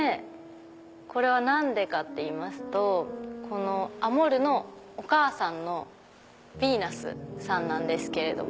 これは何でかっていいますとアモルのお母さんビーナスさんなんですけど。